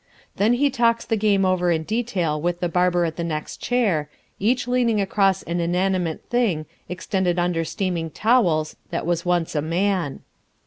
Then he talks the game over in detail with the barber at the next chair, each leaning across an inanimate thing extended under steaming towels that was once a man.